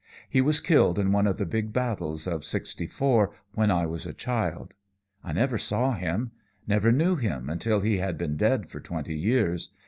He was killed in one of the big battles of Sixty four, when I was a child. I never saw him never knew him until he had been dead for twenty years.